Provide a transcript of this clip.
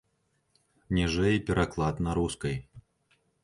Ніжэй пераклад на рускай.